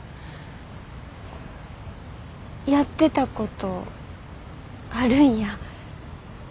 やってたことあるんや。